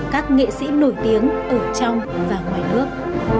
các nghệ sĩ nổi tiếng ở trong và ngoài nước